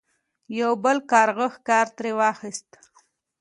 یو بل کارغه ښکار ترې واخیست.